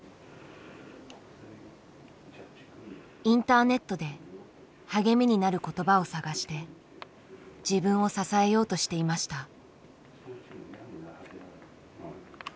インターネットで励みになる言葉を探して自分を支えようとしていました。